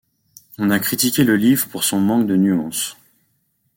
On a critiqué le livre pour son manque de nuances.